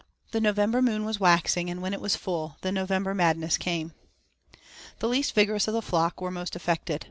The November Moon was waxing, and when it was full, the November madness came. The least vigorous of the flock were most affected.